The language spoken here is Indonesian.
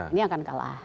ini akan kalah